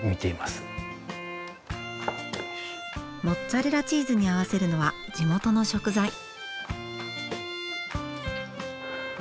モッツァレラチーズに合わせるのは地元の食材。